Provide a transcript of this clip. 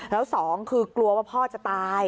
แล้วสองคือกลัวว่าพ่อจะตาย